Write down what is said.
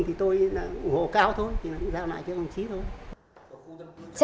thì tôi là ủng hộ cao thôi giao lại cho đồng chí thôi